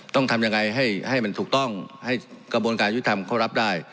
ต้องทำยังไงให้มันถูกต้องให้กระบวนการยุทธรรมเขารับได้